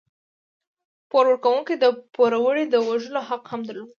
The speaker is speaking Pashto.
پور ورکوونکو د پوروړي د وژلو حق هم درلود.